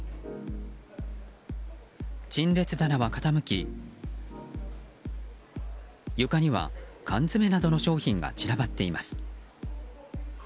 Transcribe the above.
陳列棚は傾き床には缶詰などの商品が散らばっています。